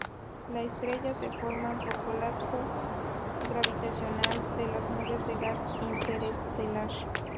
Las estrellas se forman por colapso gravitacional de las nubes de gas interestelar.